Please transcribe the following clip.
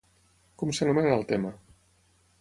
Com s'anomena el tema?